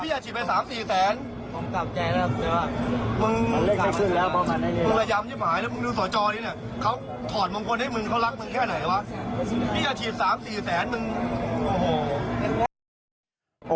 พี่อาจฉีดสามสี่แสนมึงโอ้โห